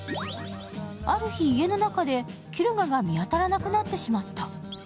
ある日、家の中でキュルガが見当たらなくなってしまった。